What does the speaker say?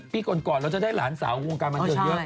ปีก่อนก่อนเราจะได้หลานสาวของวงการบทบาทมาเมืองเยอะ